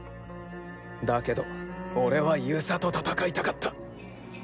だけど俺は遊佐と戦いたかった。